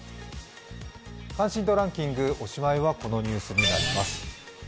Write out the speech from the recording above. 関心度ランキング、おしまいはこちらのニュースになります。